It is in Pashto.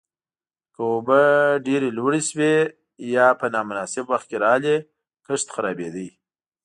که اوبه ډېره لوړې شوې یا په نامناسب وخت کې راغلې، کښت خرابېده.